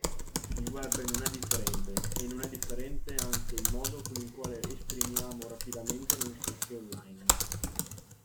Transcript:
Il web non è differente e non è differente anche il modo con il quale esprimiamo rapidamente noi stessi online.